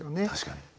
確かに。